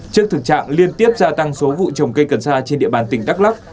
trước thực trạng liên tiếp gia tăng số vụ trồng cây cần sa trên địa bàn tỉnh đắk lắc